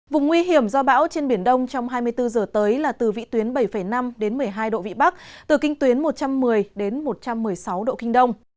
vùng nguy hiểm do bão trên biển đông trong hai mươi bốn h tới là từ vị tuyến bảy năm đến một mươi hai độ vị bắc từ kinh tuyến một trăm một mươi đến một trăm một mươi sáu độ kinh đông